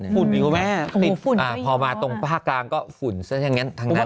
ฝุ่นอยู่ไหมติดพอมาตรงภาคกลางก็ฝุ่นซะอย่างนั้นทั้งนั้น